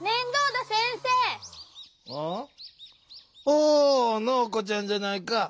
おナオコちゃんじゃないか。